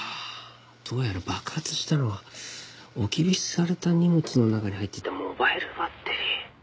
どうやら爆発したのは置き引きされた荷物の中に入っていたモバイルバッテリー。